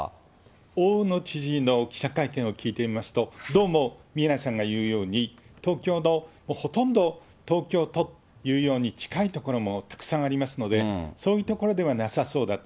大野知事の記者会見を聞いていますと、どうも宮根さんが言うように、東京のほとんど東京都というように近い所もたくさんありますので、そういう所ではなさそうだと。